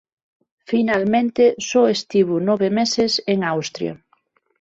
Finalmente só estivo nove meses en Austria.